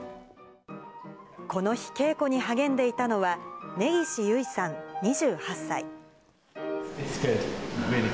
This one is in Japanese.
この日、稽古に励んでいたのは、根岸祐衣さん２８歳。